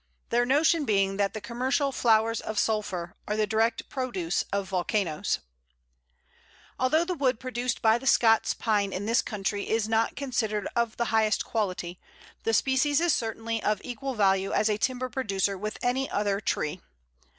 their notion being that the commercial "flowers of sulphur" are the direct produce of volcanoes. [Illustration: Scots Pine.] Although the wood produced by the Scots Pine in this country is not considered of the highest quality, the species is certainly of equal value as a timber producer with any other tree.